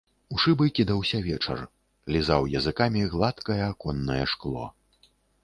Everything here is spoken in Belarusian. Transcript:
У шыбы кідаўся вечар, лізаў языкамі гладкае аконнае шкло.